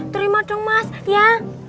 terima dong mas ya